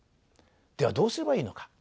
ではどうすればいいのか。